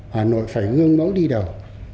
hà nội phải gương mẫu đi đầu